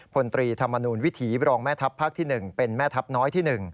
พลตรีธรรมนูลวิถีบรองแม่ทัพภาคที่๑เป็นแม่ทัพน้อยที่๑